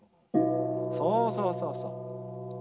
そうそうそうそう。